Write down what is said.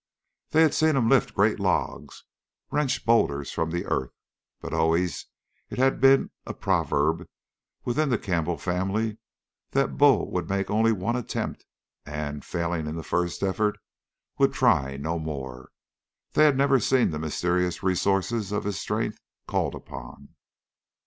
They had seen him lift great logs, wrench boulders from the earth. But always it had been a proverb within the Campbell family that Bull would make only one attempt and, failing in the first effort, would try no more. They had never seen the mysterious resources of his strength called upon.